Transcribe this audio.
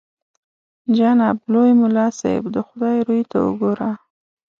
جناب لوی ملا صاحب د خدای روی ته وګوره.